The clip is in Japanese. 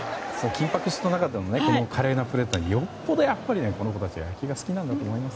緊迫した中で華麗なプレーができるってよっぽどこの子たちは野球が好きなんだと思います。